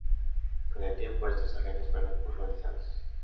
Con el tiempo estos terrenos fueron urbanizados.